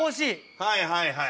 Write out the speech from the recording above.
はいはいはい。